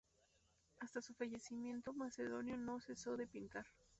Hasta su fallecimiento, Macedonio no cesó de pintar.